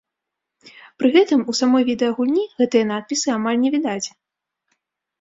Пры гэтым у самой відэагульні гэтыя надпісы амаль не відаць.